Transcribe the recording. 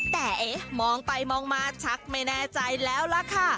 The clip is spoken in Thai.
แต่มองไปมองมาชักไม่แน่ใจแล้วค่ะ